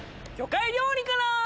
魚介料理から！